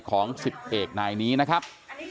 ของ๑๐เอกนายนี้นะครับ